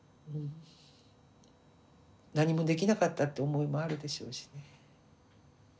何もできなかったって思いもあるでしょうしね。